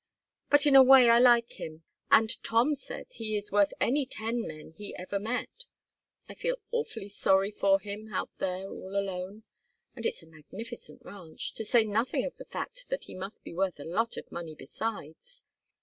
But in a way I like him, and Tom says he is worth any ten men he ever met. I feel awfully sorry for him, out there all alone and it's a magnificent ranch to say nothing of the fact that he must be worth a lot of money besides.